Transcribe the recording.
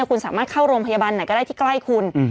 คุณสามารถเข้าโรงพยาบาลไหนก็ได้ที่ใกล้คุณ